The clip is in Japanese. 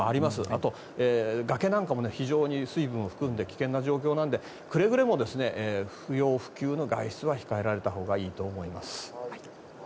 あと、崖なんかも非常に水分を含んで危険な状況なのでくれぐれも不要不急の外出は控えられたほうがいいと思います。